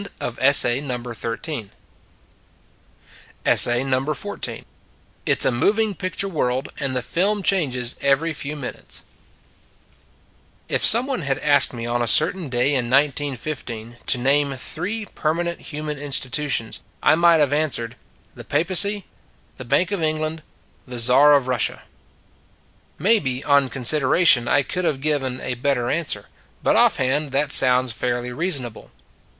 IT S A MOVING PICTURE WORLD, AND THE FILM CHANGES EVERY FEW MINUTES IF some one had asked me on a certain day in 1915 to name three permanent human institutions, I might have answered: The Papacy: the Bank of England: the Czar of Russia. Maybe, on consideration, I could have given a better answer; but offhand that sounds fairly reasonable.